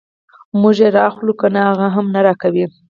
موږ یې راواخلو کنه هغه هم نه راکوي.